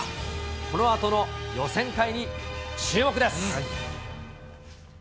このあとの予選会に注目です。